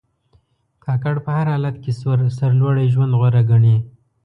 کاکړ په هر حالت کې سرلوړي ژوند غوره ګڼي.